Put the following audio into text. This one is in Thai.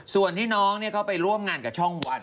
ส่วนที่น้องก็ไปร่วมงานกับช่องวัน